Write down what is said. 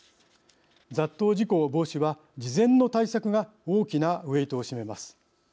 雑踏事故防止は、事前の対策が大きなウエイトを占めます。